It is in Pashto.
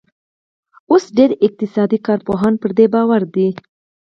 اوس ډېر اقتصادي کارپوهان پر دې باور دي